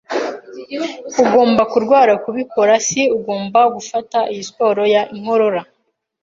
Ugomba kurwara kubikora. S] Ugomba gufata iyi suporo ya inkorora.